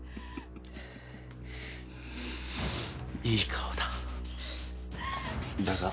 いい顔だ。